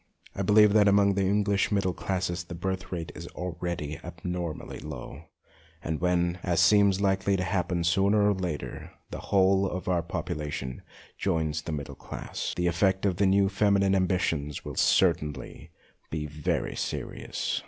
I believe that among the English middle classes the birth rate is already abnormally low, and when, as seems likely to happen sooner or later, THE NEW SEX 149 the whole of our population joins the middle class, the effect of the new feminine ambi tions will certainly be very serious.